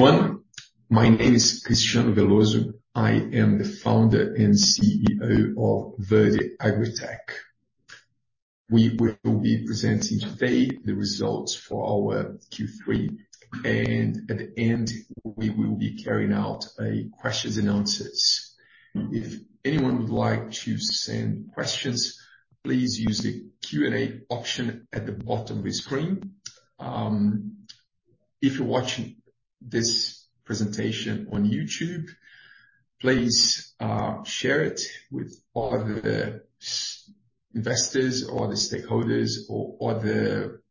Hello, everyone. My name is Cristiano Veloso. I am the Founder and CEO of Verde AgriTech. We will be presenting today the results for our Q3, and at the end, we will be carrying out a questions and answers. If anyone would like to send questions, please use the Q&A option at the bottom of your screen. If you're watching this presentation on YouTube, please share it with other investors or other stakeholders or other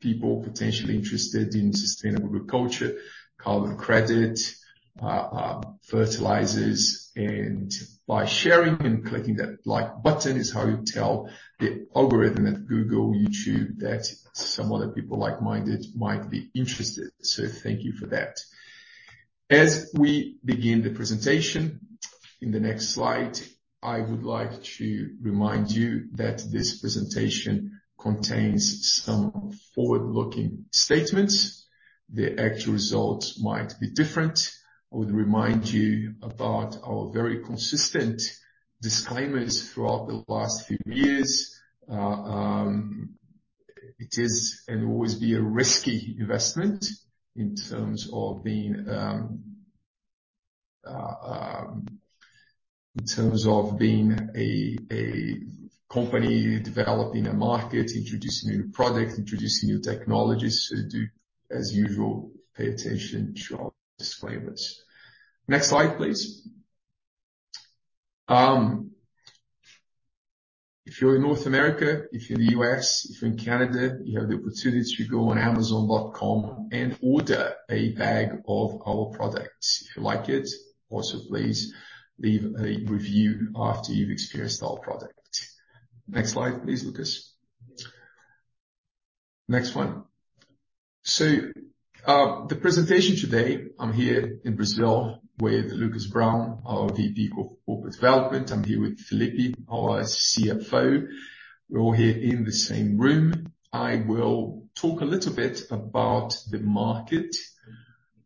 people potentially interested in sustainable agriculture, carbon credit, fertilizers. By sharing and clicking that Like button is how you tell the algorithm at Google, YouTube, that some other people like-minded might be interested. So thank you for that. As we begin the presentation, in the next slide, I would like to remind you that this presentation contains some forward-looking statements. The actual results might be different. I would remind you about our very consistent disclaimers throughout the last few years. It is and will always be a risky investment in terms of being, in terms of being a, a company developing a market, introducing new products, introducing new technologies. So do, as usual, pay attention to our disclaimers. Next slide, please. If you're in North America, if you're in the U.S., if you're in Canada, you have the opportunity to go on Amazon.com and order a bag of our products. If you like it, also, please leave a review after you've experienced our product. Next slide, please, Lucas. Next one. So, the presentation today, I'm here in Brazil with Lucas Brown, our VP of Corporate Development. I'm here with Felipe, our CFO. We're all here in the same room. I will talk a little bit about the market,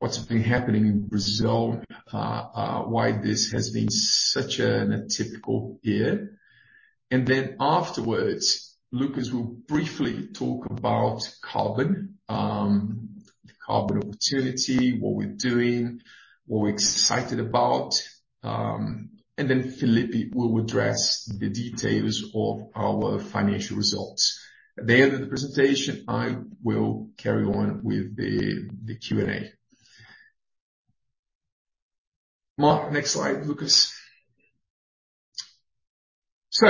what's been happening in Brazil, why this has been such an atypical year. And then afterwards, Lucas will briefly talk about carbon, the carbon opportunity, what we're doing, what we're excited about. And then Felipe will address the details of our financial results. At the end of the presentation, I will carry on with the Q&A. Next slide, Lucas. So,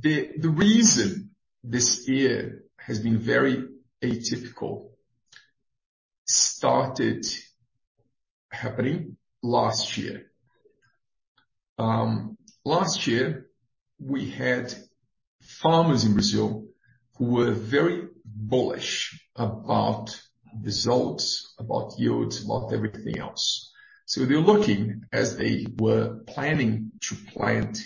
the reason this year has been very atypical started happening last year. Last year, we had farmers in Brazil who were very bullish about results, about yields, about everything else. So they're looking as they were planning to plant,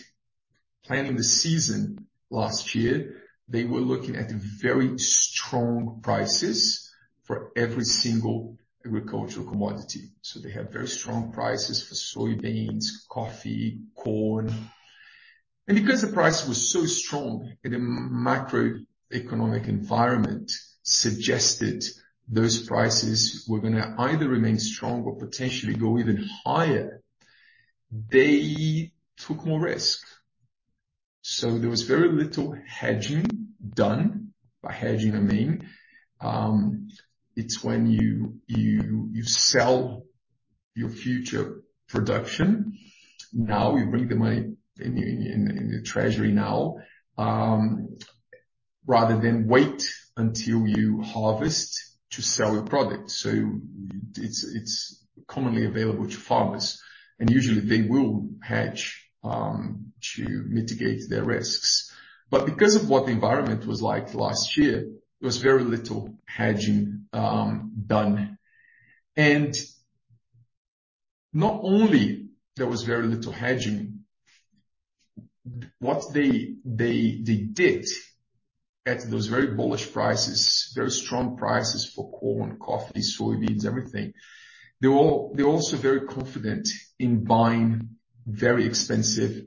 planning the season last year, they were looking at very strong prices for every single agricultural commodity. So they have very strong prices for soybeans, coffee, corn. Because the price was so strong, and the macroeconomic environment suggested those prices were gonna either remain strong or potentially go even higher, they took more risk. So there was very little hedging done. By hedging, I mean, it's when you sell your future production. Now, you bring the money in the treasury now, rather than wait until you harvest to sell your product. So it's commonly available to farmers, and usually they will hedge to mitigate their risks. But because of what the environment was like last year, there was very little hedging done. And not only there was very little hedging, what they did at those very bullish prices, very strong prices for corn, coffee, soybeans, everything. They're also very confident in buying very expensive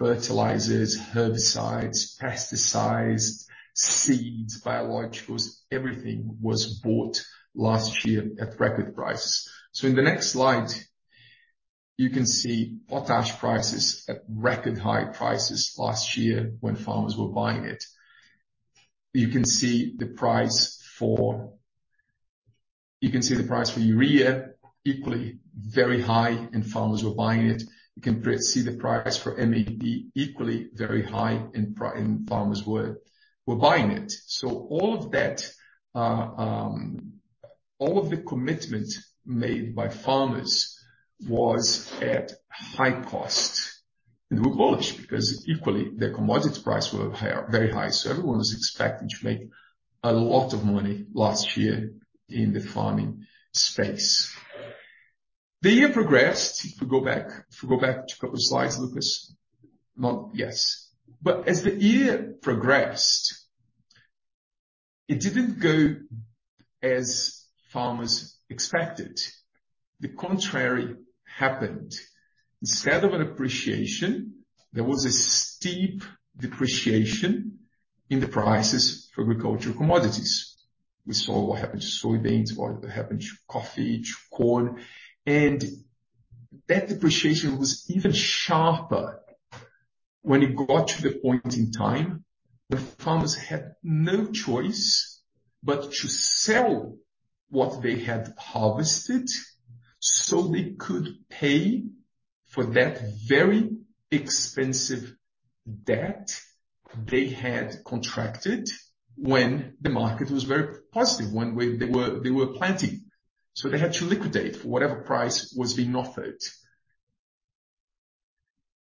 fertilizers, herbicides, pesticides, seeds, biologicals, everything was bought last year at record prices. So in the next slide, you can see potash prices at record high prices last year when farmers were buying it. You can see the price for urea equally very high, and farmers were buying it. You can see the price for MAP equally very high, and farmers were buying it. So all of that, all of the commitment made by farmers was at high cost, and they were bullish because equally, the commodity price were high, very high. So everyone was expecting to make a lot of money last year in the farming space. The year progressed, if we go back to couple slides, Lucas. Not, yes. But as the year progressed, it didn't go as farmers expected. The contrary happened. Instead of an appreciation, there was a steep depreciation in the prices for agricultural commodities. We saw what happened to soybeans, what happened to coffee, to corn, and that depreciation was even sharper when it got to the point in time where farmers had no choice but to sell what they had harvested, so they could pay for that very expensive debt they had contracted when the market was very positive, when they were, they were planting. So they had to liquidate for whatever price was being offered.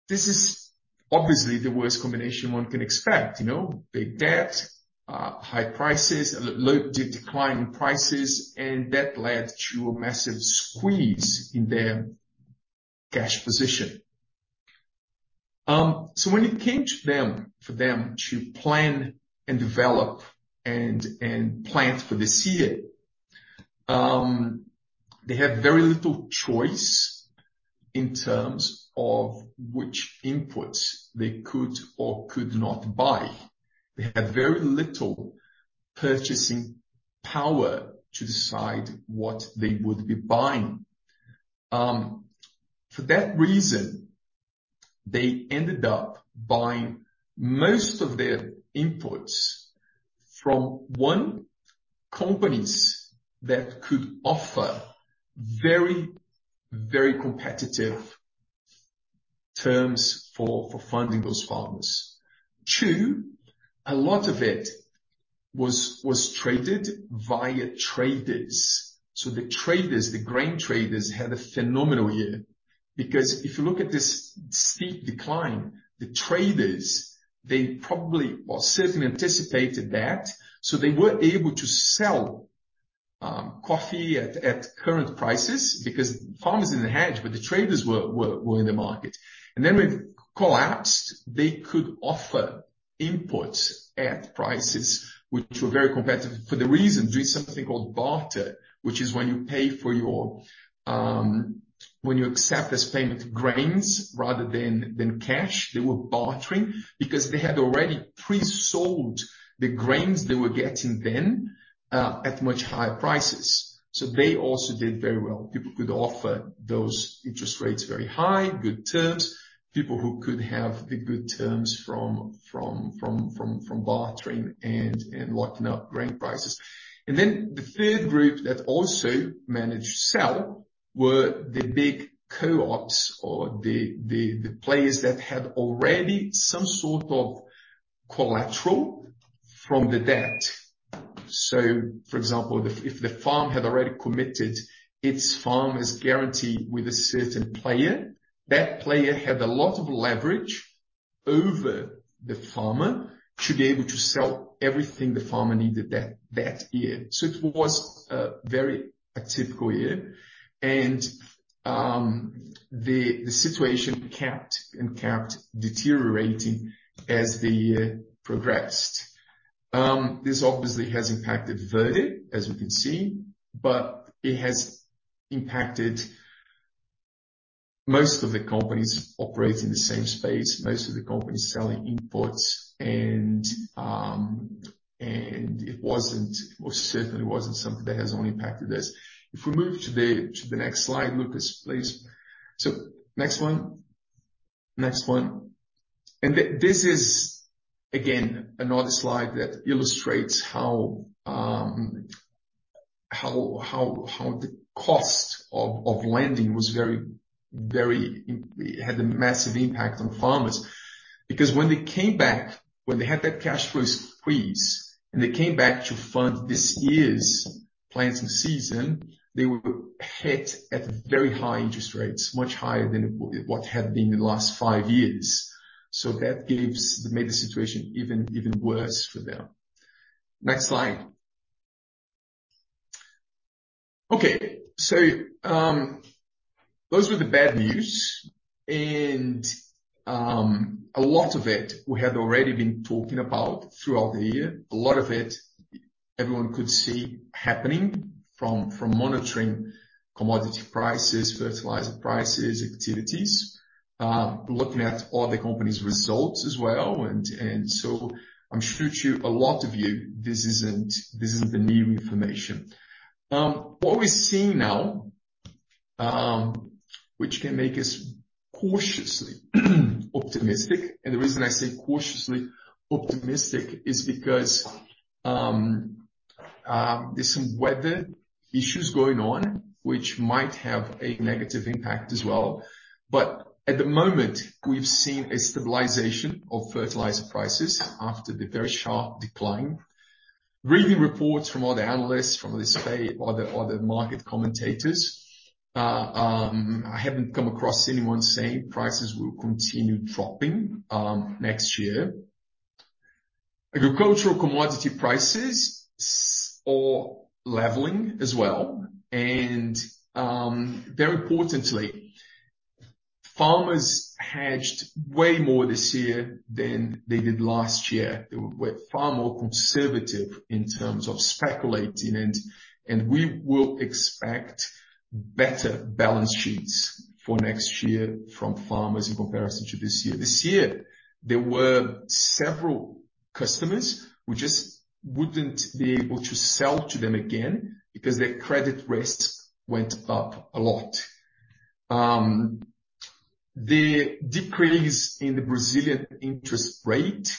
This is obviously the worst combination one can expect, you know, big debt, high prices, low to decline in prices, and that led to a massive squeeze in their cash position. So when it came to them, for them to plan and develop and plant for this year, they had very little choice in terms of which inputs they could or could not buy. They had very little purchasing power to decide what they would be buying. For that reason, they ended up buying most of their inputs from, one, companies that could offer very, very competitive terms for funding those farmers. Two, a lot of it was traded via traders. So the traders, the grain traders, had a phenomenal year, because if you look at this steep decline, the traders, they probably or certainly anticipated that, so they were able to sell coffee at current prices because farmers didn't hedge, but the traders were in the market. Then when it collapsed, they could offer inputs at prices which were very competitive for the reason, doing something called barter, which is when you accept this payment, grains rather than cash. They were bartering because they had already pre-sold the grains they were getting then at much higher prices. So they also did very well. People could offer those interest rates very high, good terms, people who could have the good terms from bartering and locking up grain prices. Then the third group that also managed to sell were the big co-ops or the players that had already some sort of collateral from the debt. So for example, if the farm had already committed its farmers guarantee with a certain player, that player had a lot of leverage over the farmer to be able to sell everything the farmer needed that year. So it was a very atypical year. And the situation kept deteriorating as the year progressed. This obviously has impacted Verde, as you can see, but it has impacted most of the companies operating in the same space, most of the companies selling inputs. And it wasn't, it most certainly wasn't something that has only impacted us. If we move to the next slide, Lucas, please. So next one. Next one. And this is, again, another slide that illustrates how the cost of lending was very very it had a massive impact on farmers. Because when they came back, when they had that cash flow squeeze and they came back to fund this year's planting season, they were hit at very high interest rates, much higher than what had been in the last five years. So that made the situation even, even worse for them. Next slide. Okay, so, those were the bad news, and, a lot of it we had already been talking about throughout the year. A lot of it, everyone could see happening from, from monitoring commodity prices, fertilizer prices, activities, looking at all the company's results as well. And, and so I'm sure to a lot of you, this isn't, this isn't the new information. What we're seeing now, which can make us cautiously optimistic, and the reason I say cautiously optimistic is because, there's some weather issues going on, which might have a negative impact as well. But at the moment, we've seen a stabilization of fertilizer prices after the very sharp decline. Reading reports from other analysts, from the state, other market commentators, I haven't come across anyone saying prices will continue dropping, next year. Agricultural commodity prices are leveling as well, and, very importantly, farmers hedged way more this year than they did last year. They were far more conservative in terms of speculating, and we will expect better balance sheets for next year from farmers in comparison to this year. This year, there were several customers, we just wouldn't be able to sell to them again because their credit risk went up a lot. The decrease in the Brazilian interest rate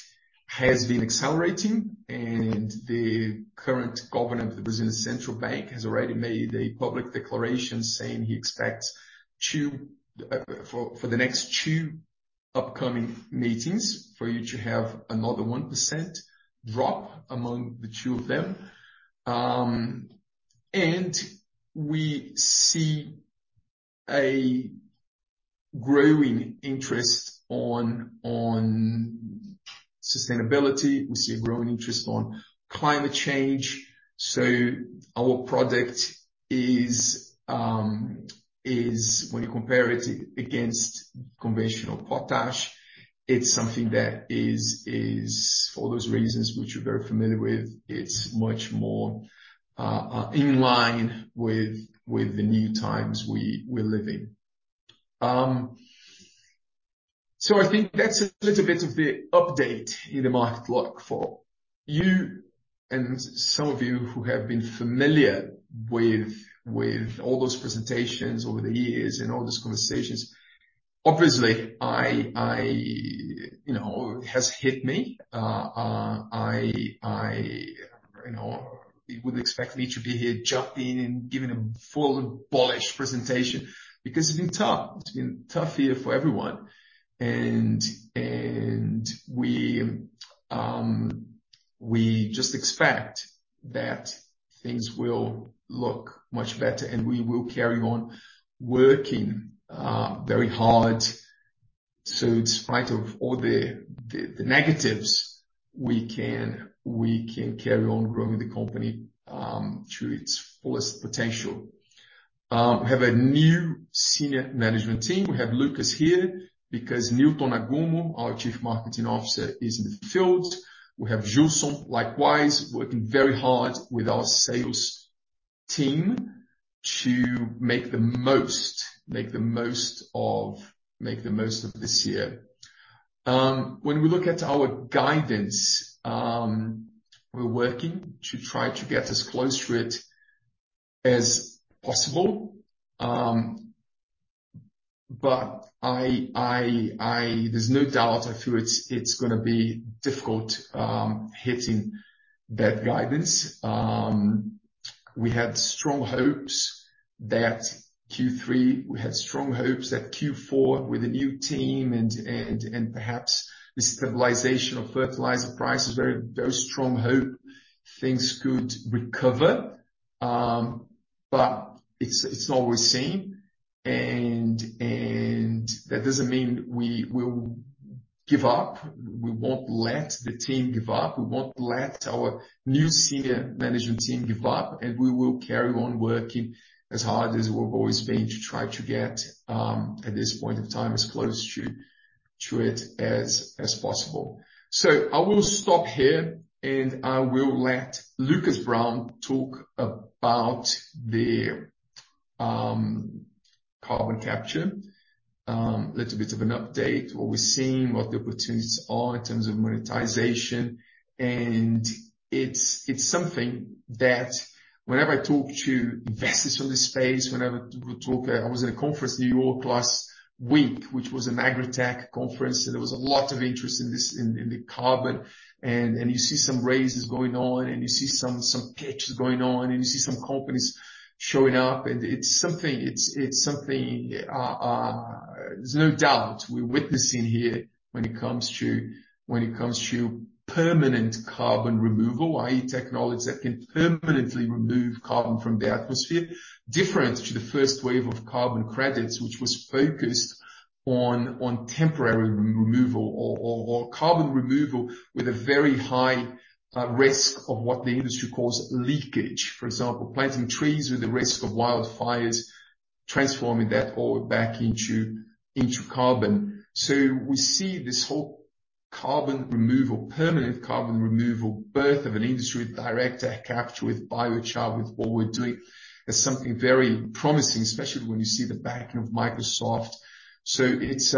has been accelerating, and the current governor of the Brazilian Central Bank has already made a public declaration saying he expects two for the next two upcoming meetings, for you to have another 1% drop among the two of them. And we see a growing interest on, on sustainability, we see a growing interest on climate change. So our product is, is when you compare it against conventional potash, it's something that is, is for all those reasons which you're very familiar with, it's much more, in line with, with the new times we, we live in. So I think that's a little bit of the update in the market look for. You and some of you who have been familiar with all those presentations over the years and all those conversations. Obviously, you know, it has hit me. You know, you would expect me to be here, jumping and giving a full bullish presentation because it's been tough. It's been tough year for everyone. And we just expect that things will look much better, and we will carry on working very hard. So in spite of all the negatives, we can carry on growing the company to its fullest potential. We have a new senior management team. We have Lucas here because Newton Nagumo, our Chief Marketing Officer, is in the field. We have Gilson, likewise, working very hard with our sales team to make the most of this year. When we look at our guidance, we're working to try to get as close to it as possible. But I... There's no doubt, I feel it's gonna be difficult hitting that guidance. We had strong hopes that Q4, with a new team and perhaps the stabilization of fertilizer prices, very strong hope things could recover. But it's not what we're seeing. And that doesn't mean we will give up. We won't let the team give up. We won't let our new senior management team give up, and we will carry on working as hard as we've always been to try to get at this point of time, as close to it as possible. So I will stop here, and I will let Lucas Brown talk about the carbon capture. A little bit of an update, what we're seeing, what the opportunities are in terms of monetization. And it's something that whenever I talk to investors from this space, whenever we talk, I was at a conference in New York last week, which was an agritech conference, and there was a lot of interest in this, in the carbon. You see some raises going on, and you see some catches going on, and you see some companies showing up, and it's something, there's no doubt we're witnessing here when it comes to permanent carbon removal, i.e. technologies that can permanently remove carbon from the atmosphere. Different to the first wave of carbon credits, which was focused on temporary removal or carbon removal with a very high risk of what the industry calls leakage. For example, planting trees with the risk of wildfires, transforming that all back into carbon. So we see this whole carbon removal, permanent carbon removal, birth of an industry, direct air capture with biochar, with what we're doing, as something very promising, especially when you see the backing of Microsoft. So it's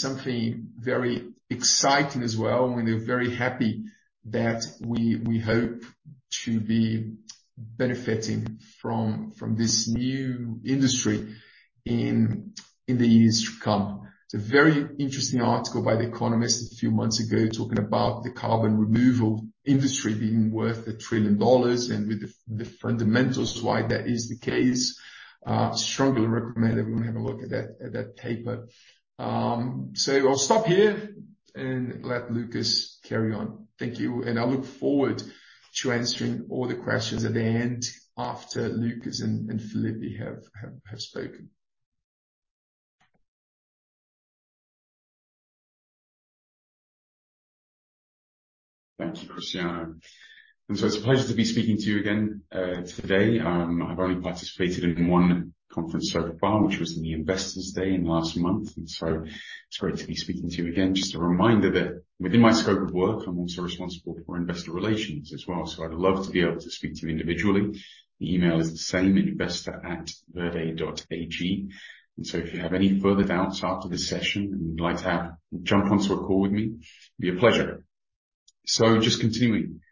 something very exciting as well, and we're very happy that we hope to be benefiting from this new industry in the years to come. There's a very interesting article by The Economist a few months ago, talking about the carbon removal industry being worth $1 trillion and with the fundamentals why that is the case. Strongly recommend everyone have a look at that paper. So I'll stop here and let Lucas carry on. Thank you, and I look forward to answering all the questions at the end, after Lucas and Felipe have spoken.... Thank you, Cristiano. It's a pleasure to be speaking to you again today. I've only participated in one conference so far, which was in the Investor Day last month, and it's great to be speaking to you again. Just a reminder that within my scope of work, I'm also responsible for investor relations as well. I'd love to be able to speak to you individually. The email is the same at investor@verde.ag. If you have any further doubts after this session and you'd like to jump onto a call with me, it'd be a pleasure. So just continuing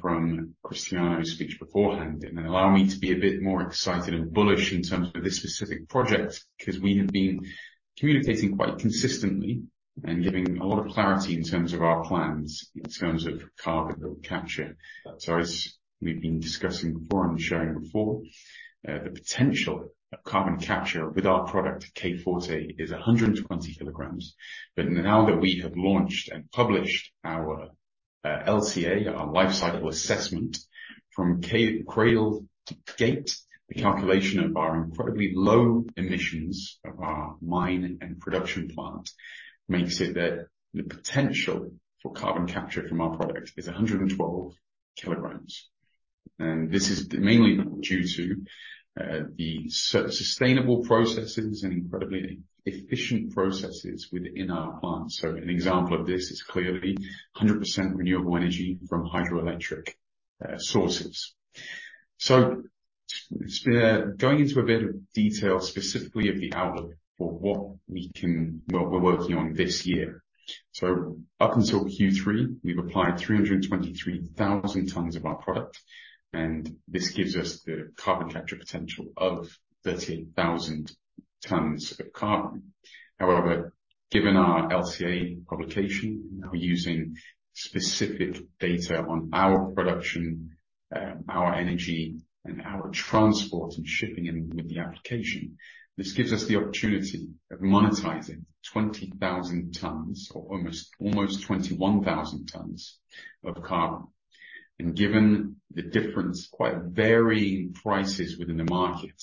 from Cristiano's speech beforehand, and allow me to be a bit more excited and bullish in terms of this specific project, 'cause we have been communicating quite consistently and giving a lot of clarity in terms of our plans, in terms of carbon capture. So as we've been discussing before and showing before, the potential of carbon capture with our product, K Forte, is 120 kg. But now that we have launched and published our LCA, our life cycle assessment from cradle to gate, the calculation of our incredibly low emissions of our mine and production plant makes it that the potential for carbon capture from our product is 112 kg. And this is mainly due to the sustainable processes and incredibly efficient processes within our plant. So an example of this is clearly 100% renewable energy from hydroelectric sources. So, going into a bit of detail, specifically of the outlook for what we're working on this year. So up until Q3, we've applied 323,000 tons of our product, and this gives us the carbon capture potential of 30,000 tons of carbon. However, given our LCA publication, now using specific data on our production, our energy, and our transport, and shipping, and with the application, this gives us the opportunity of monetizing 20,000 tons or almost, almost 21,000 tons of carbon. And given the difference, quite varying prices within the market,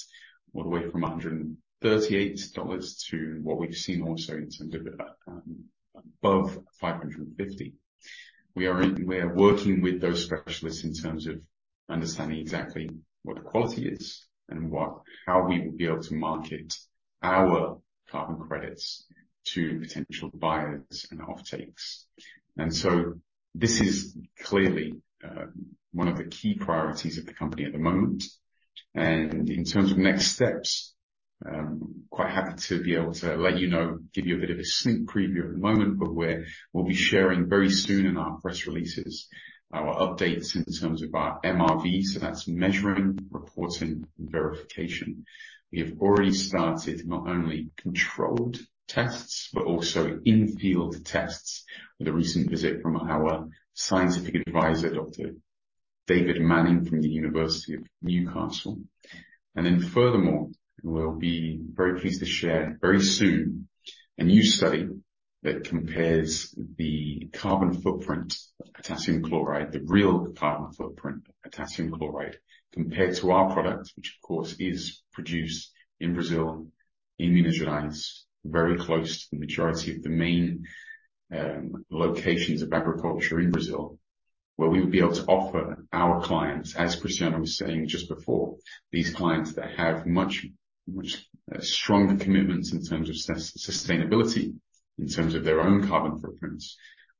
all the way from $138 to what we've seen also in terms of, above $550. We are working with those specialists in terms of understanding exactly what the quality is and how we will be able to market our carbon credits to potential buyers and offtakes. This is clearly one of the key priorities of the company at the moment. In terms of next steps, quite happy to be able to let you know, give you a bit of a sneak preview at the moment, but we'll be sharing very soon in our press releases, our updates in terms of our MRV. That's measuring, reporting, and verification. We have already started not only controlled tests, but also in-field tests with a recent visit from our scientific advisor, Dr. David Manning, from the University of Newcastle. Furthermore, we'll be very pleased to share very soon a new study that compares the carbon footprint of potassium chloride, the real carbon footprint of potassium chloride, compared to our product, which of course is produced in Brazil, in Minas Gerais, very close to the majority of the main locations of agriculture in Brazil, where we would be able to offer our clients, as Cristiano was saying just before, these clients that have much, much strong commitments in terms of sustainability, in terms of their own carbon footprints.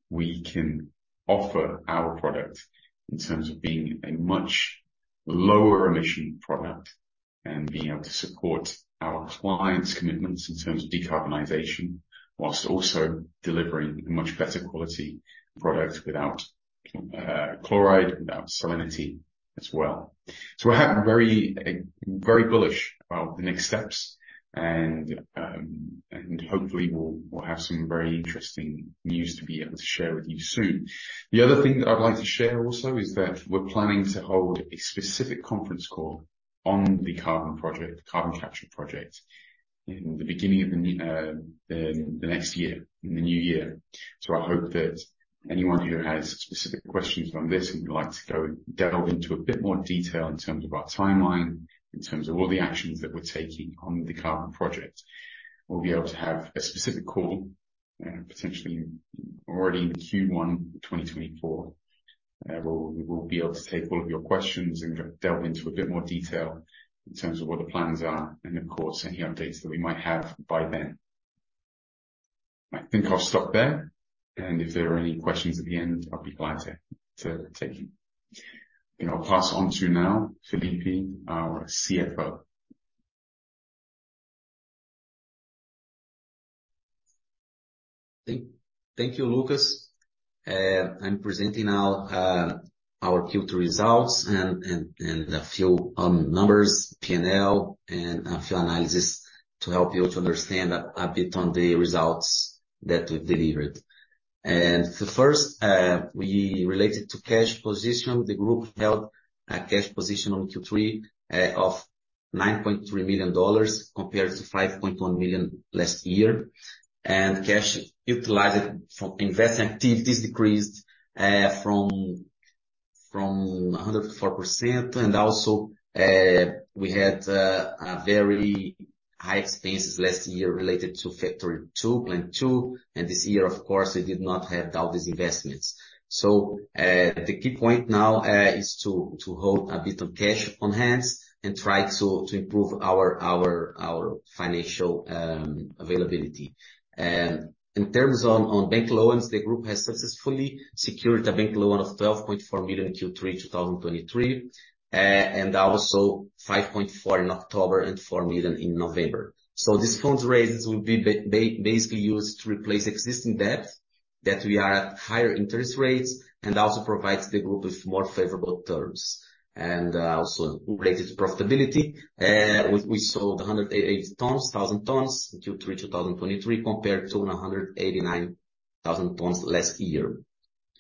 We can offer our product in terms of being a much lower emission product and being able to support our clients' commitments in terms of decarbonization, while also delivering a much better quality product without chloride, without salinity as well. So we're very, very bullish about the next steps, and, and hopefully we'll, we'll have some very interesting news to be able to share with you soon. The other thing that I'd like to share also is that we're planning to hold a specific conference call on the carbon project, carbon capture project, in the beginning of the new, the next year, in the new year. So I hope that anyone who has specific questions on this and would like to go and delve into a bit more detail in terms of our timeline, in terms of all the actions that we're taking on the carbon project, we'll be able to have a specific call, potentially already in Q1 2024. We'll, we will be able to take all of your questions and delve into a bit more detail in terms of what the plans are and, of course, any updates that we might have by then. I think I'll stop there, and if there are any questions at the end, I'll be glad to take you. I'll pass on to now Felipe, our CFO. Thank you, Lucas. I'm presenting now our Q2 results and a few numbers, P&L, and a few analysis to help you to understand a bit on the results that we've delivered. And the first we related to cash position, the group held a cash position on Q3 of $9.3 million compared to $5.1 million last year. And cash utilized from investment activities decreased from 104%, and also we had a very high expenses last year related to Factory 2, Plant 2, and this year, of course, we did not have all these investments. So the key point now is to hold a bit of cash on hands and try to improve our financial availability. In terms of bank loans, the group has successfully secured a bank loan of $12.4 million in Q3 2023, and also $5.4 million in October and $4 million in November. These funds raises will be basically used to replace existing debt that we are at higher interest rates and also provides the group with more favorable terms and also related profitability. We sold 180,000 tons in Q3 2023, compared to 189,000 tons last year.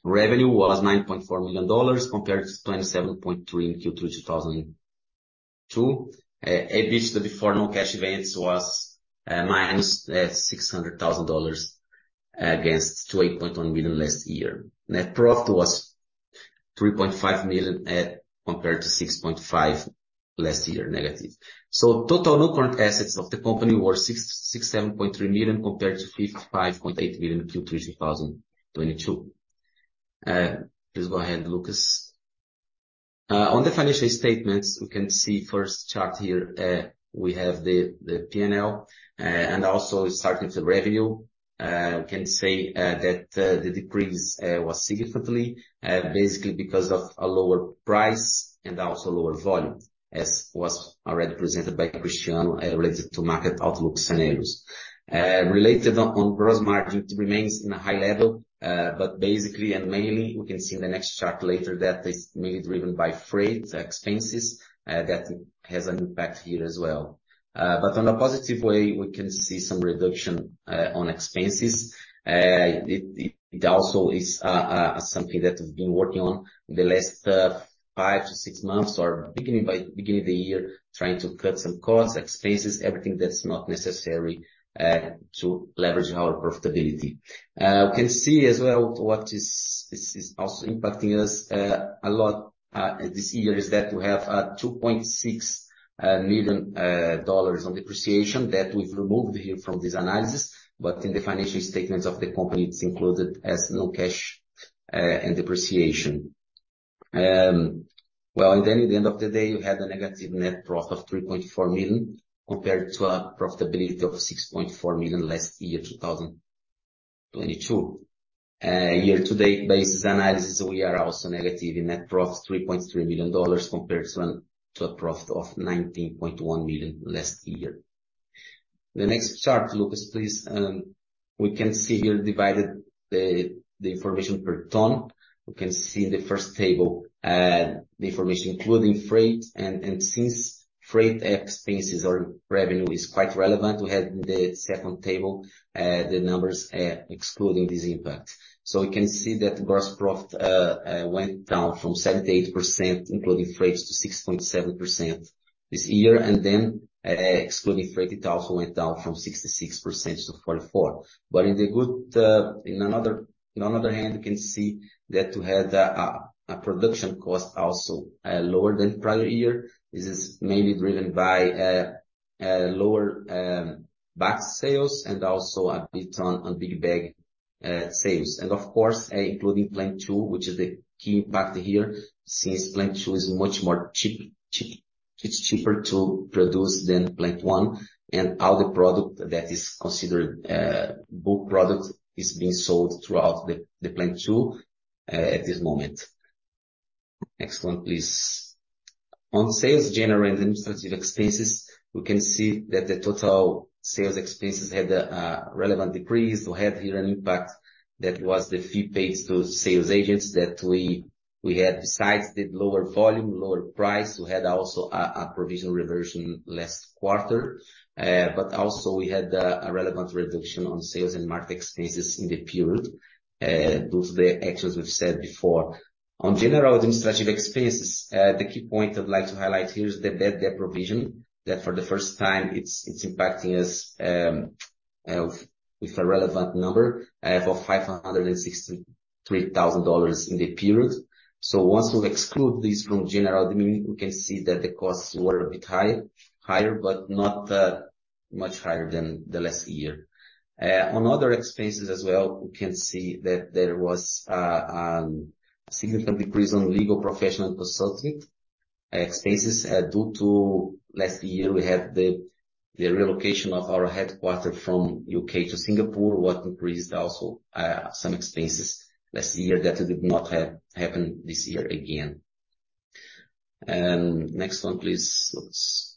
Revenue was $9.4 million compared to $27.3 million in Q3 2022. EBITDA before non-cash events was -$600,000 against $28.1 million last year. Net profit was $3.5 million compared to -$6.5 million last year. Total non-current assets of the company were $667.3 million compared to $55.8 million in Q3 2022. Please go ahead, Lucas. On the financial statements, we can see first chart here, we have the P&L and also starting with the revenue. We can say that the decrease was significantly basically because of a lower price and also lower volume, as was already presented by Cristiano related to market outlook scenarios. Related on gross margin, it remains in a high level, but basically, and mainly, we can see in the next chart later that it's mainly driven by freight expenses that has an impact here as well. But on a positive way, we can see some reduction on expenses. It also is something that we've been working on in the last five to six months or beginning of the year, trying to cut some costs, expenses, everything that's not necessary to leveraging our profitability. We can see as well what also is impacting us a lot this year is that we have $2.6 million on depreciation that we've removed here from this analysis, but in the financial statements of the company, it's included as non-cash and depreciation. Well, and then at the end of the day, you had a negative net profit of $3.4 million compared to a profitability of $6.4 million last year, 2022. Year-to-date basis analysis, we are also negative in net profit, $3.3 million, compared to a profit of $19.1 million last year. The next chart, Lucas, please. We can see here the information divided per ton. We can see in the first table the information, including freight. And since freight expenses or revenue is quite relevant, we had the second table the numbers excluding this impact. So we can see that gross profit went down from 78%, including freight, to 60.7% this year, and then excluding freight, it also went down from 66% to 44%. But on the other hand, we can see that we had a production cost also lower than prior year. This is mainly driven by lower bag sales and also a bit on big bag sales. And of course, including Plant 2, which is the key part here, since Plant 2 is much more—it's cheaper to produce than Plant 1, and all the product that is considered bulk product is being sold throughout the Plant 2 at this moment. Next one, please. On sales, general and administrative expenses, we can see that the total sales expenses had a relevant decrease. We had here an impact that was the fee paid to sales agents that we had besides the lower volume, lower price; we had also a provisional reversion last quarter. But also we had a relevant reduction on sales and market expenses in the period due to the actions we've said before. On general administrative expenses, the key point I'd like to highlight here is the debt, debt provision, that for the first time it's impacting us with a relevant number of $563,000 in the period. So once we exclude this from general admin, we can see that the costs were a bit high, higher, but not much higher than the last year. On other expenses as well, we can see that there was a significant decrease on legal, professional consultant expenses due to last year, we had the relocation of our headquarters from U.K. to Singapore, what increased also some expenses last year that did not happen this year again. And next one, please, Lucas.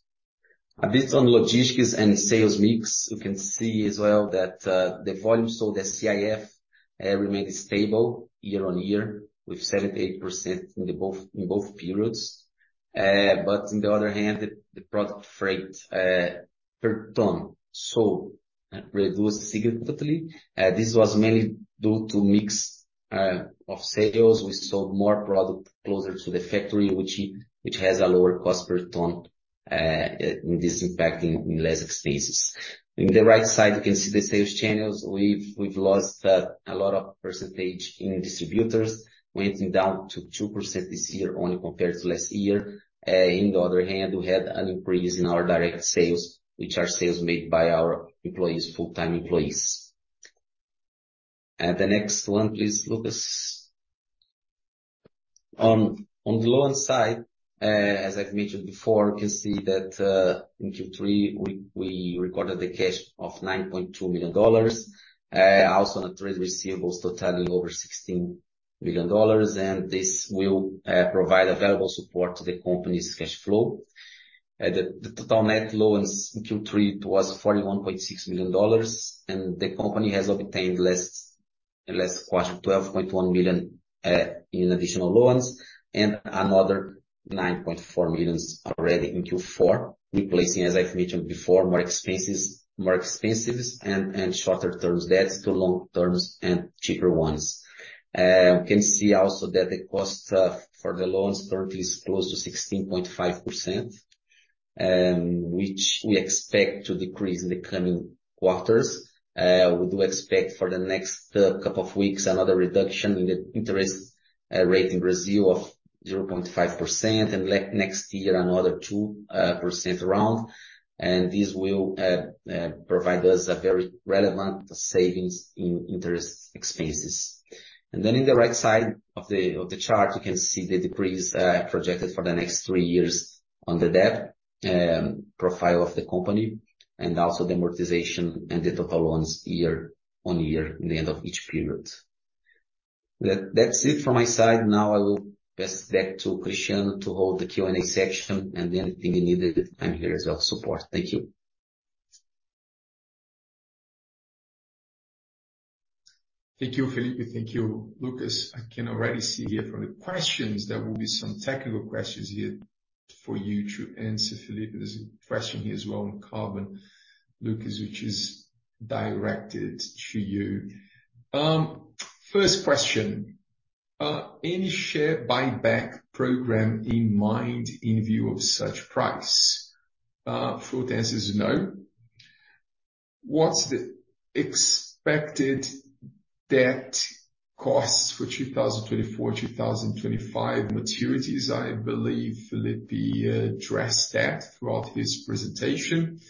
A bit on logistics and sales mix. We can see as well that, the volume sold as CIF, remained stable year-on-year with 78% in both periods. But on the other hand, the product freight per ton reduced significantly. This was mainly due to mix of sales. We sold more product closer to the factory, which has a lower cost per ton, and this impacting in less expenses. In the right side, you can see the sales channels. We've lost a lot of percentage in distributors, went down to 2% this year only compared to last year. In the other hand, we had an increase in our direct sales, which are sales made by our employees, full-time employees. And the next one, please, Lucas. On the loan side, as I've mentioned before, you can see that in Q3, we recorded the cash of $9.2 million, also on the trade receivables totaling over $16 million, and this will provide available support to the company's cash flow. The total net loans in Q3 was $41.6 million, and the company has obtained last quarter, $12.1 million in additional loans, and another $9.4 million already in Q4, replacing, as I've mentioned before, more expensive and shorter term debts to long terms and cheaper ones. We can see also that the cost for the loans currently is close to 16.5%, which we expect to decrease in the coming quarters. We do expect for the next couple of weeks, another reduction in the interest rate in Brazil of 0.5%, and next year, another 2% around. This will provide us a very relevant savings in interest expenses. Then in the right side of the chart, you can see the decrease projected for the next three years on the debt profile of the company, and also the amortization and the total loans year-on-year in the end of each period. That's it from my side. Now, I will pass it back to Cristiano to hold the Q&A section, and anything you need, I'm here as well to support. Thank you. Thank you, Felipe. Thank you, Lucas. I can already see here from the questions, there will be some technical questions here for you to answer, Felipe. There's a question here as well on carbon, Lucas, which is directed to you. First question: Any share buyback program in mind in view of such price? The full answer is no. What's the expected debt costs for 2024, 2025 maturities? I believe Felipe addressed that throughout his presentation.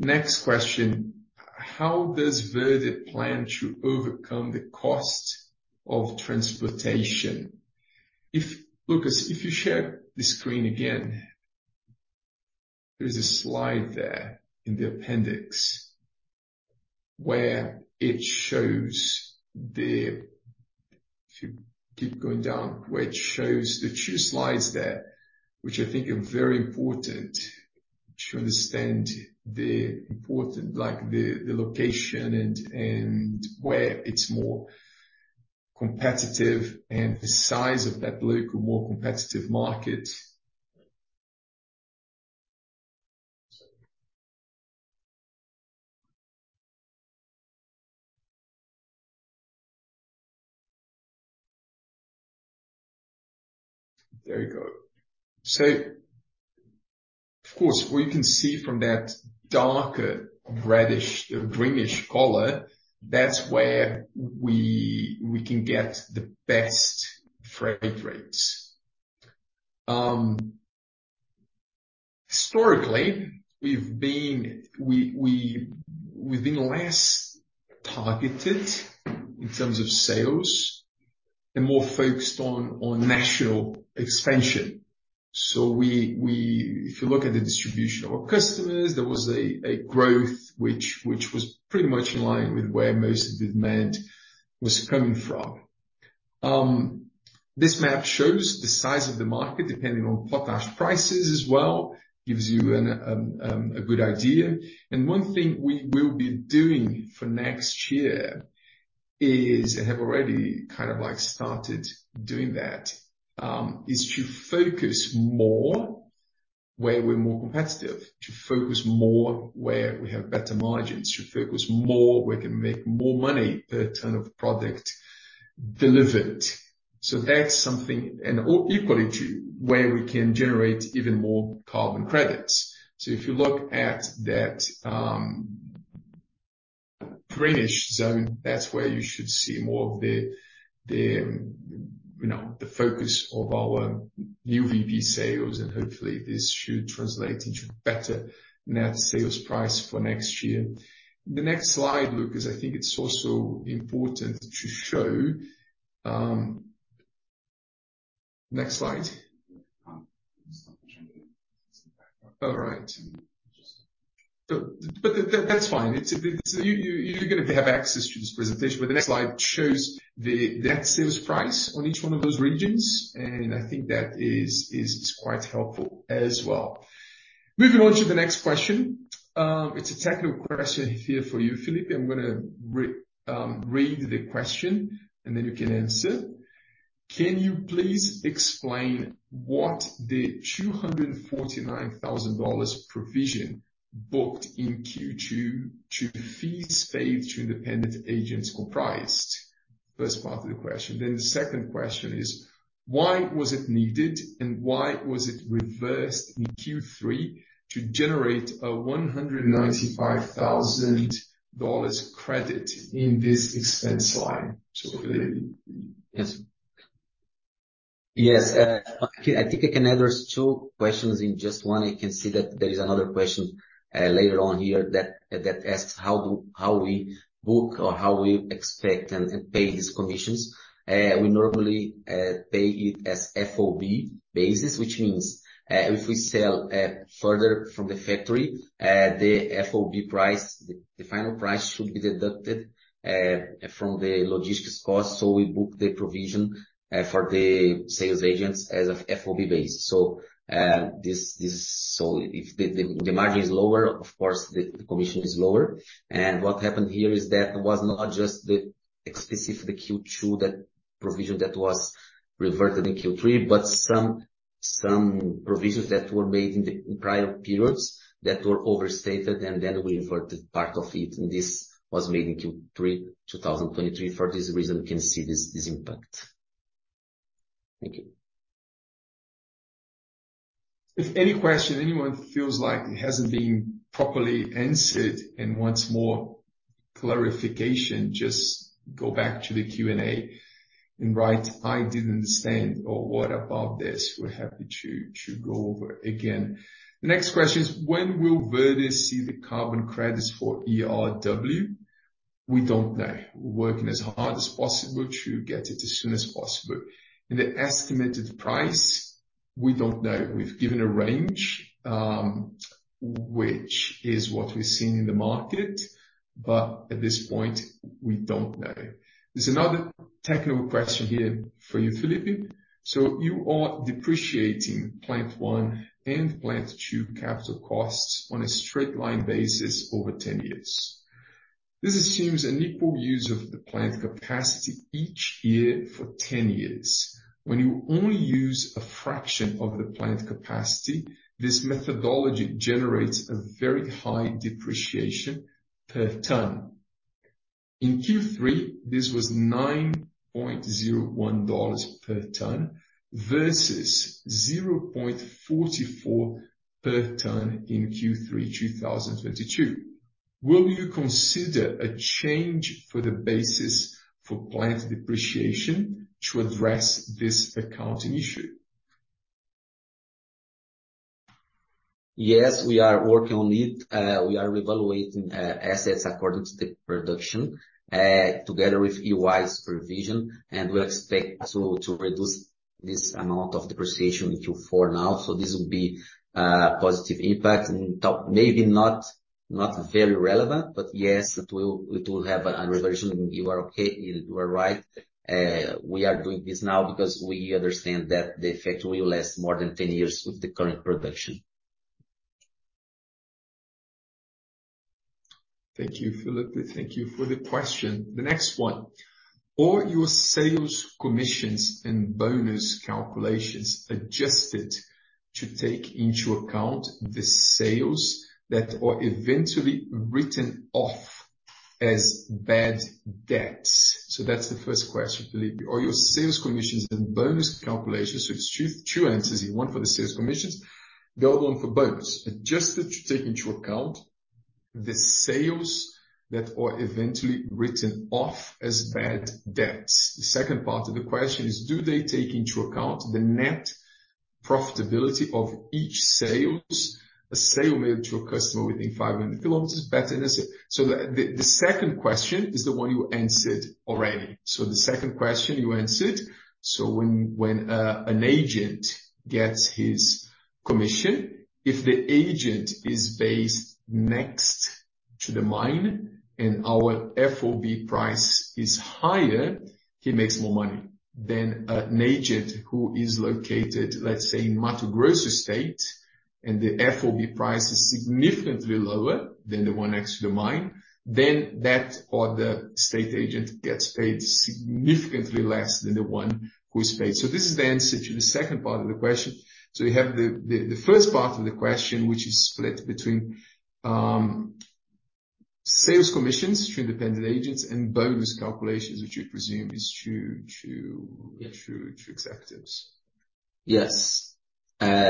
Next question: How does Verde plan to overcome the cost of transportation? Lucas, if you share the screen again, there's a slide there in the appendix where it shows the... If you keep going down, where it shows the two slides there, which I think are very important to understand the important, like, the location and where it's more competitive, and the size of that local, more competitive market. There you go. So of course, we can see from that darker reddish, greenish color, that's where we can get the best freight rates. Historically, we've been less targeted in terms of sales and more focused on national expansion. If you look at the distribution of our customers, there was a growth which was pretty much in line with where most of the demand was coming from. This map shows the size of the market, depending on potash prices as well, gives you a good idea. One thing we will be doing for next year is, and have already kind of like, started doing that, is to focus more where we're more competitive, to focus more where we have better margins, to focus more where we can make more money per ton of product delivered. So that's something, and equally to where we can generate even more carbon credits. So if you look at that, greenish zone, that's where you should see more of the, you know, the focus of our new VP sales, and hopefully, this should translate into better net sales price for next year. The next slide, Lucas, I think it's also important to show, next slide. Um. All right. But that's fine. It's, you're gonna have access to this presentation, but the next slide shows the net sales price on each one of those regions, and I think that is quite helpful as well. Moving on to the next question. It's a technical question here for you, Felipe. I'm gonna read the question, and then you can answer. Can you please explain what the $249,000 provision booked in Q2 to fees paid to independent agents comprised? First part of the question, then the second question is: Why was it needed, and why was it reversed in Q3 to generate a $195,000 credit in this expense line? So Felipe? Yes. Yes, I think I can address two questions in just one. I can see that there is another question later on here that asks how we book or how we expect and pay these commissions. We normally pay it as FOB basis, which means if we sell further from the factory, the FOB price, the final price should be deducted from the logistics cost. So we book the provision for the sales agents as of FOB base. So, this, so if the margin is lower, of course, the commission is lower. What happened here is that it was not just the specific, the Q2, that provision that was reverted in Q3, but some, some provisions that were made in the prior periods that were overstated, and then we inverted part of it, and this was made in Q3, 2023. For this reason, we can see this, this impact. Thank you. If any question, anyone feels like it hasn't been properly answered and wants more clarification, just go back to the Q&A and write, "I didn't understand," or "What about this?" We're happy to go over again. The next question is: When will Verde see the carbon credits for ERW? We don't know. We're working as hard as possible to get it as soon as possible. The estimated price, we don't know. We've given a range, which is what we've seen in the market, but at this point, we don't know. There's another technical question here for you, Felipe. So you are depreciating Plant 1 and Plant 2 capital costs on a straight line basis over 10 years. This assumes an equal use of the plant capacity each year for 10 years. When you only use a fraction of the plant capacity, this methodology generates a very high depreciation per ton. In Q3, this was $9.01 per ton, versus $0.44 per ton in Q3 2022. Will you consider a change for the basis for plant depreciation to address this accounting issue? Yes, we are working on it. We are reevaluating assets according to the production together with EY's provision, and we expect to reduce this amount of depreciation in Q4 now. So this will be a positive impact, and maybe not very relevant, but yes, it will have a reversion. You are okay. You are right. We are doing this now because we understand that the effect will last more than 10 years with the current production. Thank you, Felipe. Thank you for the question. The next one: Are your sales commissions and bonus calculations adjusted to take into account the sales that are eventually written off as bad debts? So that's the first question, Felipe. Are your sales commissions and bonus calculations, so it's two answers in one for the sales commissions, the other one for bonus, adjusted to take into account the sales that are eventually written off as bad debts? The second part of the question is: Do they take into account the net profitability of each sales? A sale made to a customer within 500 km is better than a sale. So the second question is the one you answered already. So the second question you answered. So when an agent gets his commission, if the agent is based next to the mine and our FOB price is higher, he makes more money than an agent who is located, let's say, in Mato Grosso state, and the FOB price is significantly lower than the one next to the mine, then that or the state agent gets paid significantly less than the one who is paid. So this is the answer to the second part of the question. So we have the first part of the question, which is split between sales commissions to independent agents and bonus calculations, which we presume is to, to- Yeah. To executives. Yes.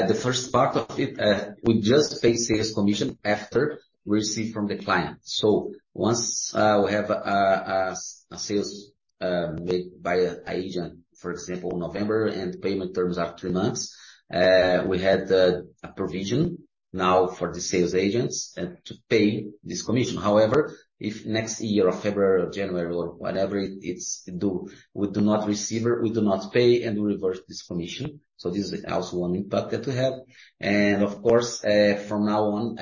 The first part of it, we just pay sales commission after we receive from the client. So once we have a sales made by an agent, for example, November, and payment terms are three months, we had a provision now for the sales agents to pay this commission. However, if next year or February or January or whenever it's due, we do not receive it, we do not pay and reverse this commission. So this is also one impact that we have. And of course, from now on,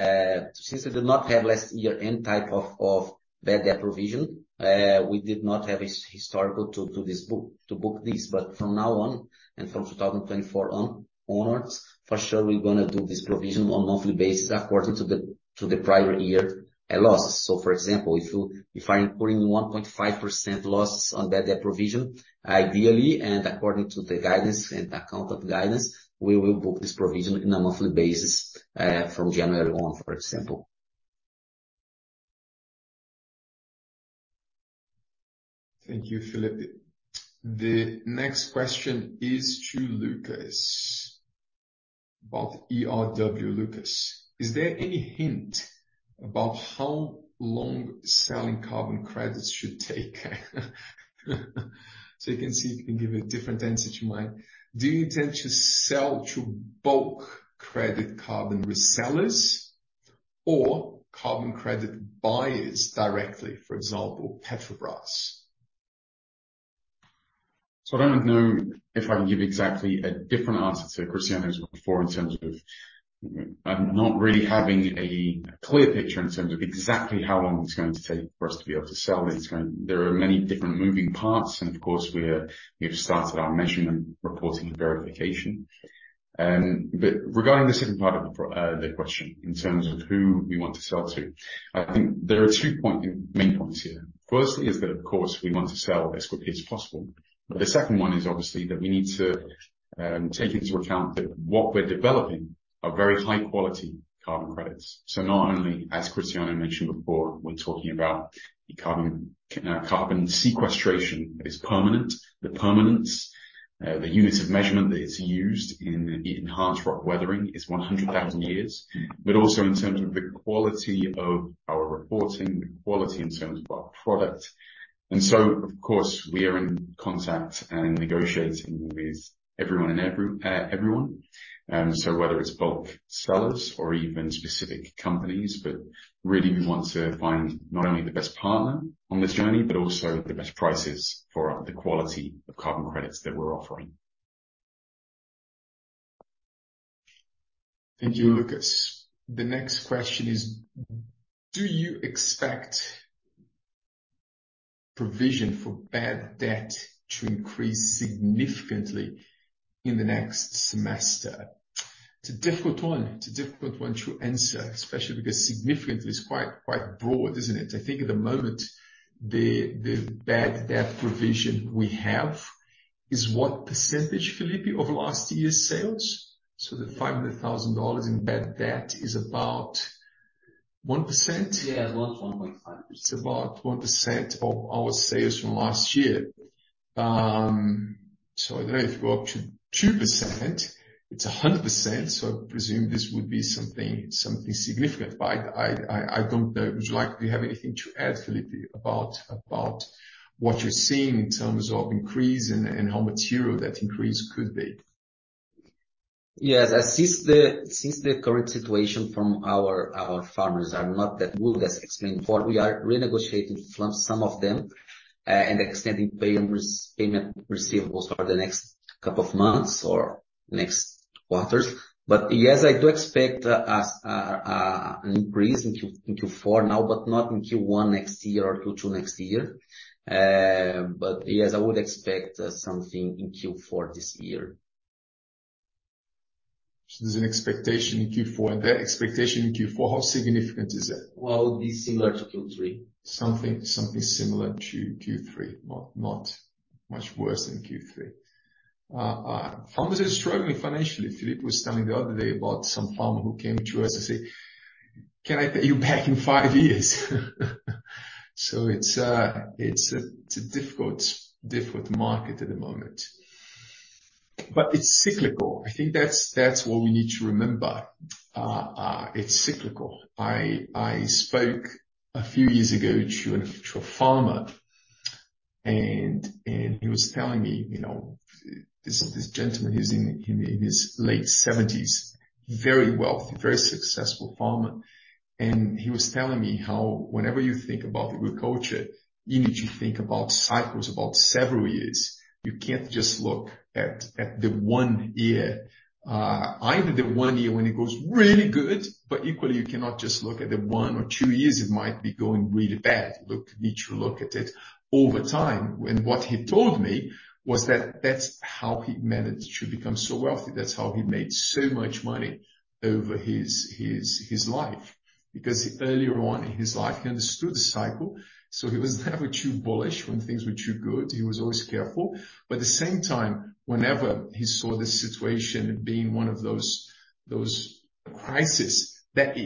since we did not have last year end type of bad debt provision, we did not have a historical to this book, to book this. But from now on, and from 2024 onwards, for sure, we're gonna do this provision on a monthly basis according to the prior year loss. So for example, if you, if I'm including 1.5% loss on bad debt provision, ideally, and according to the guidance and accounting guidance, we will book this provision on a monthly basis from January on, for example.... Thank you, Felipe. The next question is to Lucas about ERW. Lucas, is there any hint about how long selling carbon credits should take? So you can see if you can give a different answer to mine. Do you intend to sell to bulk credit carbon resellers or carbon credit buyers directly, for example, Petrobras? So I don't know if I can give exactly a different answer to Cristiano's before, in terms of, not really having a clear picture in terms of exactly how long it's going to take for us to be able to sell it. There are many different moving parts, and of course, we've started our measurement, reporting, and verification. But regarding the second part of the prompt, the question in terms of who we want to sell to, I think there are two main points here. First, is that, of course, we want to sell as quick as possible, but the second one is obviously that we need to, take into account that what we're developing are very high-quality carbon credits. So not only, as Cristiano mentioned before, we're talking about the carbon sequestration is permanent. The permanence, the units of measurement that it's used in the enhanced rock weathering is 100,000 years, but also in terms of the quality of our reporting, the quality in terms of our product. And so, of course, we are in contact and negotiating with everyone and every, everyone. So whether it's bulk sellers or even specific companies, but really, we want to find not only the best partner on this journey, but also the best prices for the quality of carbon credits that we're offering. Thank you, Lucas. The next question is: Do you expect provision for bad debt to increase significantly in the next semester? It's a difficult one. It's a difficult one to answer, especially because significant is quite, quite broad, isn't it? I think at the moment, the bad debt provision we have is what percentage, Felipe, of last year's sales? So the $500,000 in bad debt is about 1%? Yeah, about 1.5%. It's about 1% of our sales from last year. So I don't know, if you go up to 2%, it's 100%, so I presume this would be something significant. But I don't know. Would you like to have anything to add, Felipe, about what you're seeing in terms of increase and how material that increase could be? Yes. Since the current situation from our farmers are not that good, as explained, for we are renegotiating from some of them, and extending payment receivables for the next couple of months or next quarters. But yes, I do expect an increase in Q4 now, but not in Q1 next year or Q2 next year. But yes, I would expect something in Q4 this year. There's an expectation in Q4. That expectation in Q4, how significant is that? Well, it would be similar to Q3. Something, something similar to Q3. Not much worse than Q3. Farmers are struggling financially. Felipe was telling the other day about some farmer who came to us and said, "Can I pay you back in five years?" So it's a difficult market at the moment, but it's cyclical. I think that's what we need to remember. It's cyclical. I spoke a few years ago to a farmer, and he was telling me, you know, this gentleman, he's in his late seventies, very wealthy, very successful farmer, and he was telling me how whenever you think about agriculture, you need to think about cycles, about several years. You can't just look at the one year, either the one year when it goes really good, but equally, you cannot just look at the one or two years it might be going really bad. Look, you need to look at it over time. And what he told me was that that's how he managed to become so wealthy. That's how he made so much money over his life. Because earlier on in his life, he understood the cycle, so he was never too bullish when things were too good. He was always careful, but at the same time, whenever he saw this situation being one of those crises, that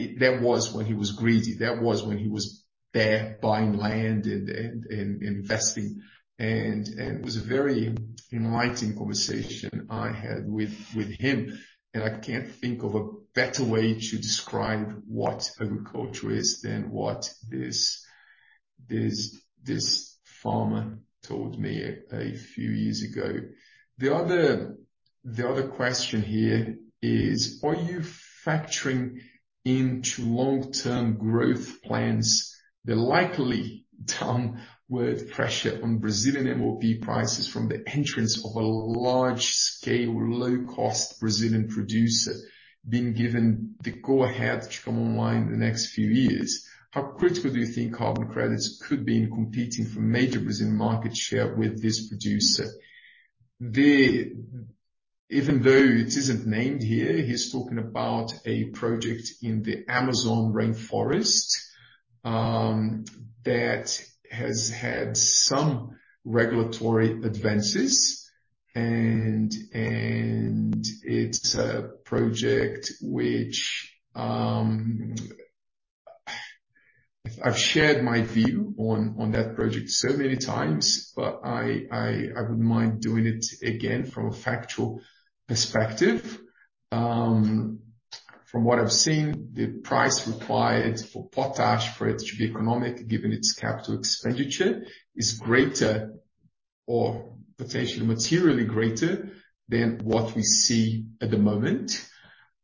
was when he was greedy, that was when he was there buying land and investing. And it was a very enlightening conversation I had with him, and I can't think of a better way to describe what agriculture is than what this farmer told me a few years ago. The other question here is: Are you factoring into long-term growth plans, the likely downward pressure on Brazilian MOP prices from the entrance of a large-scale, low-cost Brazilian producer being given the go-ahead to come online in the next few years? How critical do you think carbon credits could be in competing for major Brazilian market share with this producer? The... Even though it isn't named here, he's talking about a project in the Amazon rainforest... that has had some regulatory advances and it's a project which I've shared my view on that project so many times, but I wouldn't mind doing it again from a factual perspective. From what I've seen, the price required for potash, for it to be economic, given its capital expenditure, is greater or potentially materially greater than what we see at the moment.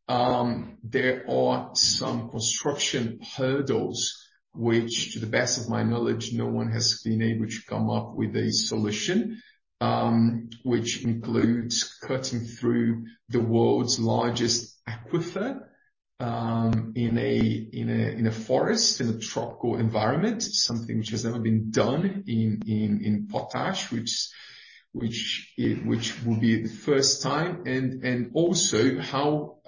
There are some construction hurdles which, to the best of my knowledge, no one has been able to come up with a solution, which includes cutting through the world's largest aquifer, in a forest, in a tropical environment, something which has never been done in potash, which will be the first time, and also how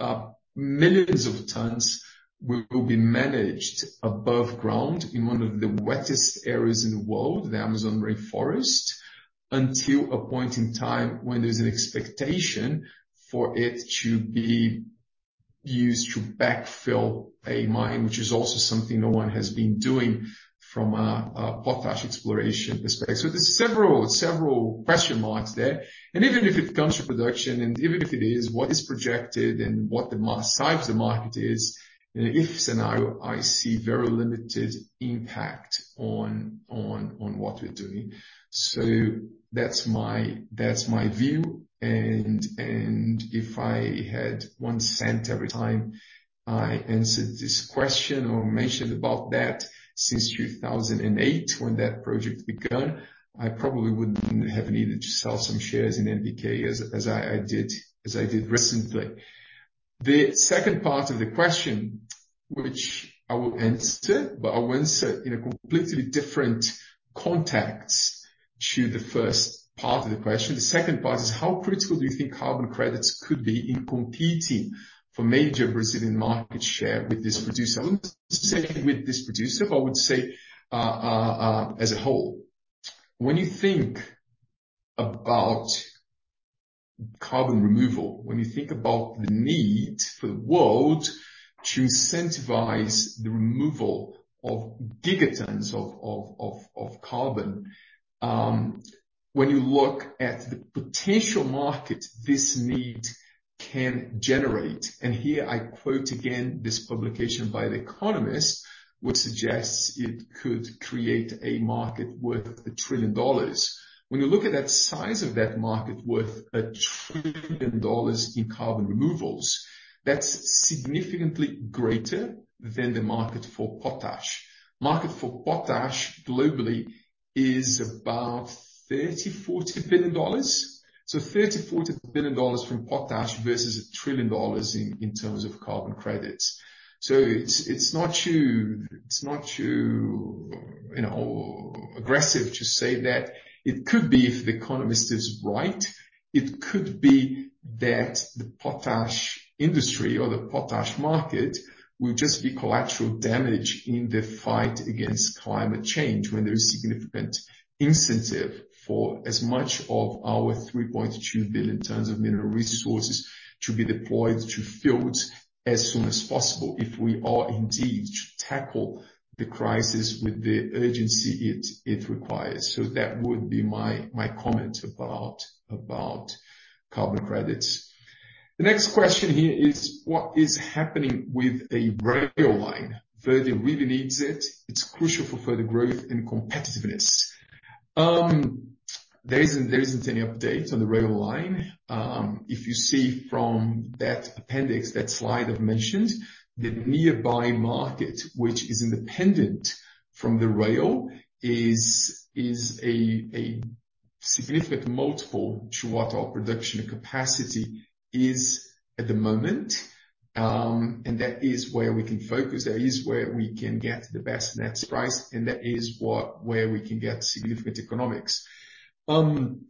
millions of tons will be managed above ground in one of the wettest areas in the world, the Amazon rainforest, until a point in time when there's an expectation for it to be used to backfill a mine, which is also something no one has been doing from a potash exploration perspective. So there's several question marks there. Even if it comes to production, and even if it is what is projected and what the market size is, in an if scenario, I see very limited impact on what we're doing. So that's my view. And if I had one cent every time I answered this question or mentioned about that since 2008, when that project begun, I probably wouldn't have needed to sell some shares in NPK as I did recently. The second part of the question, which I will answer, but I will answer in a completely different context to the first part of the question. The second part is: How critical do you think carbon credits could be in competing for major Brazilian market share with this producer? I wouldn't say with this producer, but I would say as a whole. When you think about carbon removal, when you think about the need for the world to incentivize the removal of gigatons of carbon, when you look at the potential market this need can generate, and here I quote again, this publication by The Economist, which suggests it could create a market worth $1 trillion. When you look at that size of that market worth $1 trillion in carbon removals, that's significantly greater than the market for potash. Market for potash, globally, is about $30 billion-$40 billion. So $30 billion-$40 billion from potash versus $1 trillion in terms of carbon credits. So it's not too, you know, aggressive to say that it could be, if The Economist is right, it could be that the potash industry or the potash market will just be collateral damage in the fight against climate change when there is significant incentive for as much of our 3.2 billion in terms of mineral resources to be deployed to fields as soon as possible, if we are indeed to tackle the crisis with the urgency it requires. So that would be my comment about carbon credits. The next question here is: What is happening with a rail line? Verde really needs it. It's crucial for further growth and competitiveness. There isn't any update on the rail line. If you see from that appendix, that slide I've mentioned, the nearby market, which is independent from the rail, is a significant multiple to what our production capacity is at the moment. And that is where we can focus, that is where we can get the best next price, and that is where we can get significant economics. One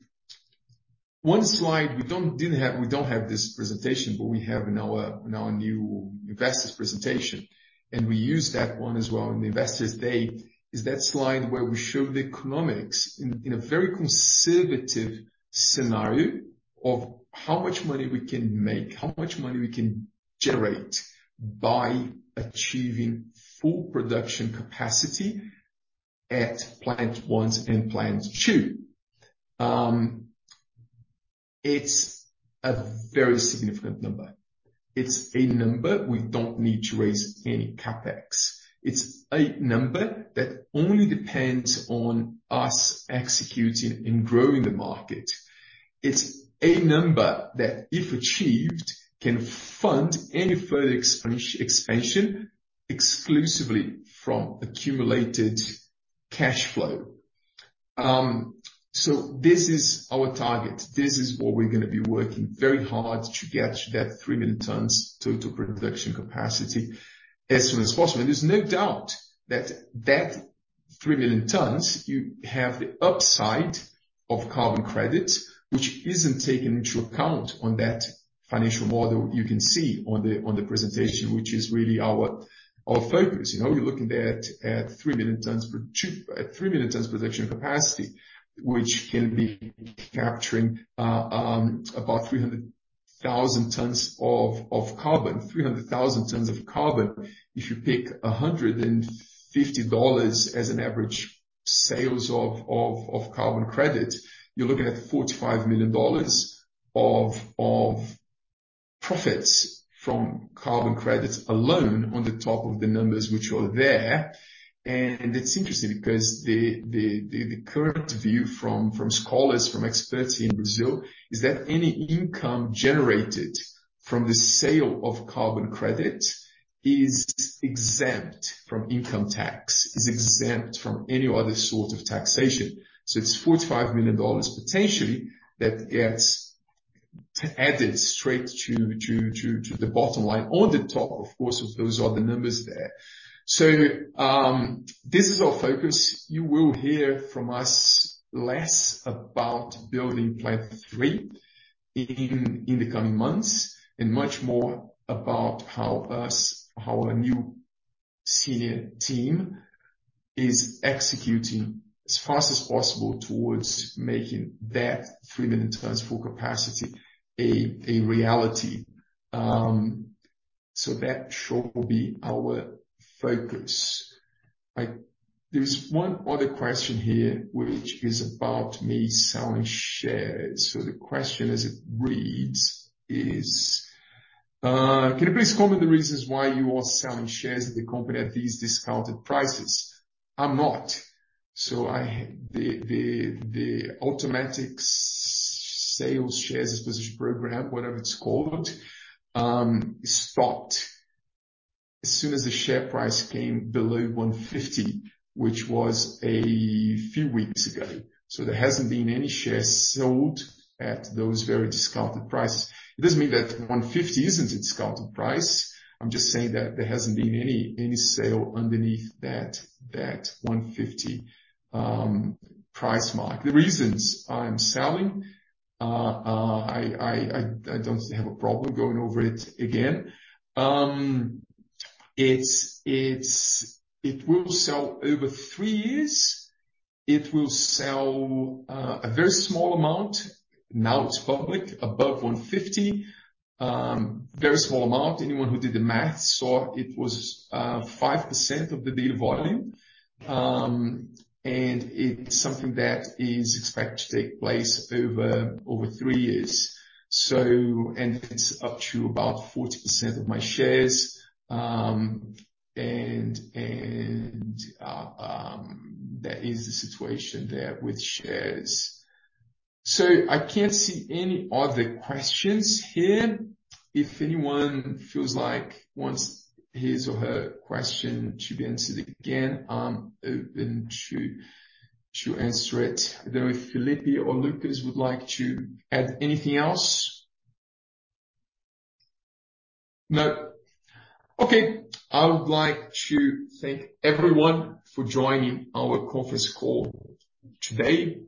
slide we didn't have, we don't have this presentation, but we have in our new investors presentation, and we use that one as well in the Investors Day, is that slide where we show the economics in a very conservative scenario of how much money we can make, how much money we can generate by achieving full production capacity at Plant 1 and Plant 2. It's a very significant number. It's a number we don't need to raise any CapEx. It's a number that only depends on us executing and growing the market. It's a number that, if achieved, can fund any further expansion exclusively from accumulated cash flow. So this is our target. This is what we're gonna be working very hard to get to that 3 million tons total production capacity as soon as possible. There's no doubt that that 3 million tons, you have the upside of carbon credits, which isn't taken into account on that financial model you can see on the presentation, which is really our focus. You know, you're looking at 3 million tons production capacity, which can be capturing about 300,000 tons of carbon. 300,000 tons of carbon. If you pick $150 as an average sales of carbon credit, you're looking at $45 million of profits from carbon credits alone on the top of the numbers which are there. It's interesting because the current view from scholars, from experts in Brazil, is that any income generated from the sale of carbon credit is exempt from income tax, is exempt from any other sort of taxation. It's $45 million potentially that gets added straight to the bottom line, on the top, of course, of those other numbers there. This is our focus. You will hear from us less about building Plant 3 in the coming months, and much more about how our new senior team is executing as fast as possible towards making that 3 million tons full capacity a reality. So that sure will be our focus. Like, there's one other question here, which is about me selling shares. So the question as it reads is, can you please comment the reasons why you are selling shares in the company at these discounted prices? I'm not. So I, the automatic sales shares position program, whatever it's called, stopped as soon as the share price came below 1.50, which was a few weeks ago. So there hasn't been any shares sold at those very discounted prices. It doesn't mean that 1.50 isn't a discounted price. I'm just saying that there hasn't been any sale underneath that 1.50 price mark. The reasons I'm selling, I don't have a problem going over it again. It will sell over three years. It will sell a very small amount, now it's public, above 1.50. Very small amount. Anyone who did the math saw it was 5% of the daily volume. And it's something that is expected to take place over three years. So, and it's up to about 40% of my shares. And that is the situation there with shares. So I can't see any other questions here. If anyone feels like wants his or her question to be answered again, I'm open to answer it. I don't know if Felipe or Lucas would like to add anything else? No. Okay. I would like to thank everyone for joining our conference call today.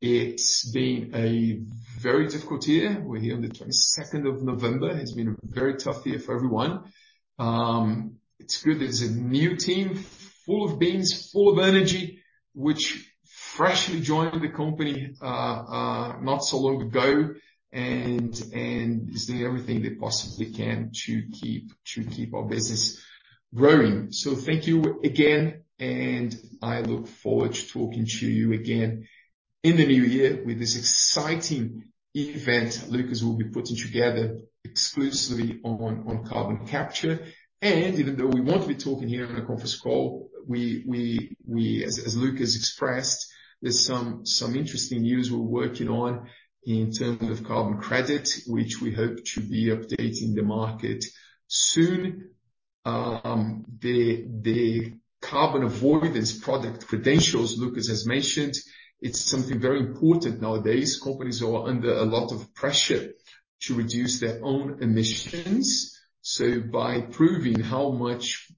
It's been a very difficult year. We're here on the 22nd of November. It's been a very tough year for everyone. It's good there's a new team, full of beans, full of energy, which freshly joined the company not so long ago, and is doing everything they possibly can to keep our business growing. So thank you again, and I look forward to talking to you again in the new year with this exciting event Lucas will be putting together exclusively on carbon capture. Even though we won't be talking here on a conference call, as Lucas expressed, there's some interesting news we're working on in terms of carbon credit, which we hope to be updating the market soon. The carbon avoidance product credentials Lucas has mentioned, it's something very important nowadays. Companies are under a lot of pressure to reduce their own emissions. So by proving how much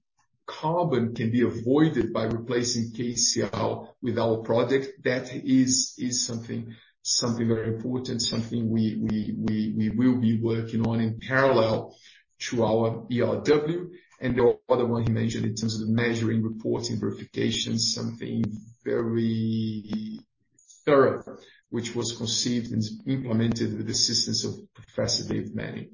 carbon can be avoided by replacing KCl with our product, that is something very important, something we will be working on in parallel to our ERW and the other one he mentioned in terms of measuring, reporting, verification, something very thorough, which was conceived and implemented with the assistance of Professor Dave Manning.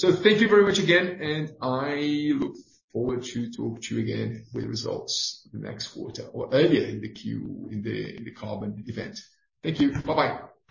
Thank you very much again, and I look forward to talk to you again with results the next quarter or earlier in the Q in the, in the carbon event. Thank you. Bye-bye.